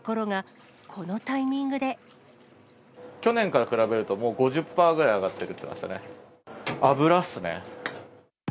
去年から比べると、もう５０パーぐらい上がってるって言ってましたね。